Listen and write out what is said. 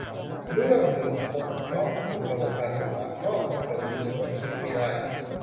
เรื่องนึงคงเพราะถูกระบบการศึกษาครอบงำจนรู้สึกว่าคิดไม่ได้